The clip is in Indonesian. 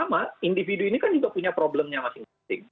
nah pada saat yang sama individu ini kan juga punya problemnya masing masing